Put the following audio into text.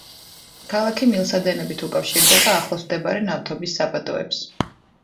ქალაქი მილსადენებით უკავშირდება ახლოს მდებარე ნავთობის საბადოებს.